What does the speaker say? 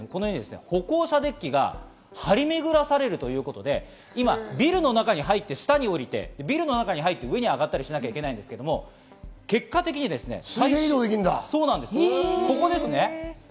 歩行者デッキが張り巡らされるということでビルの中に入って下に降りてビルの中に入って上に上がったりしなきゃいけないのですが結果的にここです。